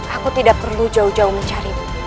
aku tidak perlu jauh jauh mencarimu